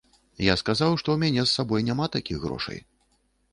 Я сказаў, што ў мяне з сабой няма такіх грошай.